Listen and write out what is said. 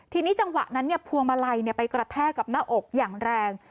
ทีนี้จังหวะนั้นพวงมาลัยไปกระแทกกับหน้าอกอย่างแรง